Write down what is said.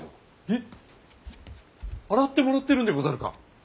えっ洗ってもらってるんでござるか？